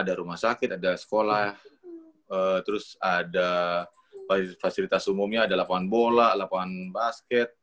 ada rumah sakit ada sekolah terus ada fasilitas umumnya ada lapangan bola lapangan basket